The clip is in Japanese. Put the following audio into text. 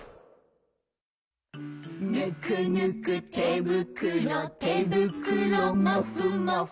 「ぬくぬくてぶくろてぶくろもふもふ」